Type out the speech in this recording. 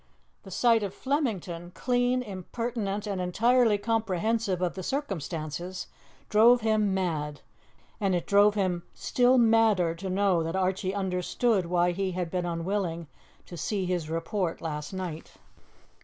The sight of Flemington, clean, impertinent, and entirely comprehensive of the circumstances, drove him mad; and it drove him still madder to know that Archie understood why he had been unwilling to see his report last night.